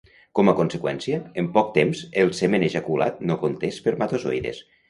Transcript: Com a conseqüència, en poc temps el semen ejaculat no conté espermatozoides.